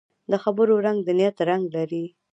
د خبرو رنګ د نیت رنګ لري